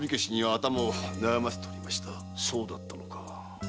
そうだったのか。